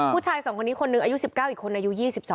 ผู้ชาย๒คนนี้คนหนึ่งอายุ๑๙อีกคนอายุ๒๒